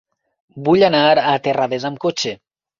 Vull anar a Terrades amb cotxe.